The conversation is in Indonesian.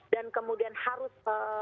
dan kemudian harus